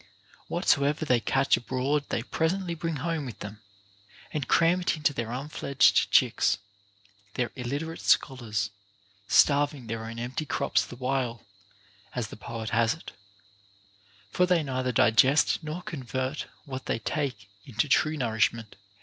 Whatsoever they catch abroad they presently bring home with them, and cram it into their unfledged chicks, their illiterate scholars, starving their own empty crops the while, as the poet has it ; for they neither digest nor convert what they take into true nourishment.